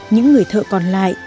những người thợ còn lại